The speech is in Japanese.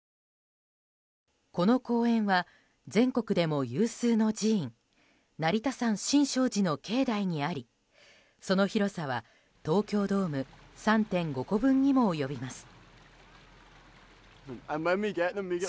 この公園は、全国でも有数の寺院成田山新勝寺の境内にありその広さは東京ドーム３．５個分にも及びます。